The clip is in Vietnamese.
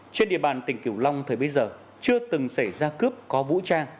trên địa bàn tỉnh kiều long thời bấy giờ chưa từng xảy ra cướp có vũ trang